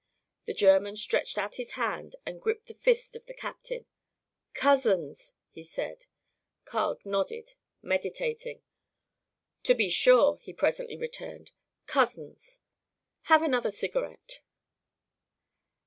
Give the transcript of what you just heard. The German stretched out his hand and gripped the fist of the captain. "Cousins," he said. Carg nodded, meditating. "To be sure," he presently returned; "cousins. Have another cigarette."